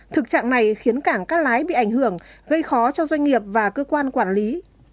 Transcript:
thực trạng này khiến cảng cát lái bị ảnh hưởng gây khó cho doanh nghiệp và cơ quan quản lý